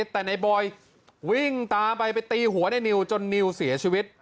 แต่ในบอยวิ่งตามไปไปตีหัวในนิวจนนิวเสียชีวิต